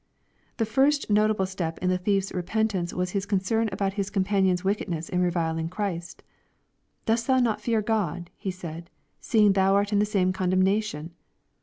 The first notable step in the thief's repentance was his concern about his companion's wickedness in reviling Christ. "Dost thou not fear God," he said, "seeing thou art in the same condemnation."